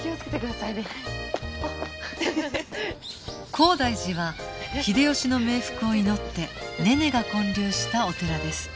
高台寺は秀吉の冥福を祈ってねねが建立したお寺です